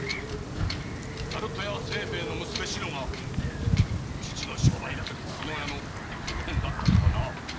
鳴門屋清兵衛の娘・しのが父の商売敵叶屋の遠縁だったとはな。